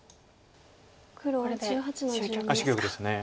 これで終局ですか。